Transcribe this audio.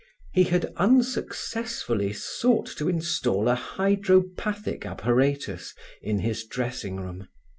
He had unsuccessfully sought to install a hydropathic apparatus in his dressing room.